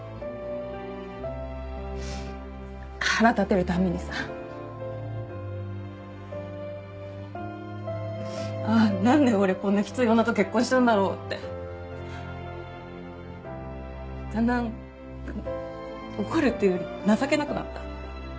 腹立てる度にさ「なんで俺こんなきつい女と結婚したんだろう」って。だんだん怒るっていうより情けなくなった。